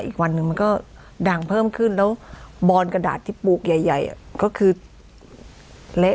อีกวันหนึ่งมันก็ดังเพิ่มขึ้นแล้วบอนกระดาษที่ปลูกใหญ่ก็คือเละ